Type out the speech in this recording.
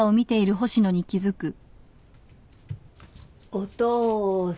お父さん。